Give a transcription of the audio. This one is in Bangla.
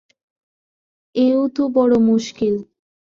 এও তো বড়ো মুশকিল!